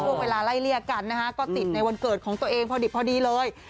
เวลาไล่เลี่ยกันนะฮะก็ติดในวันเกิดของตัวเองพอดิบพอดีเลย